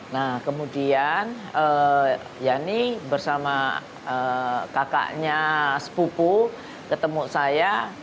nah kemudian yani bersama kakaknya sepuku ketemu saya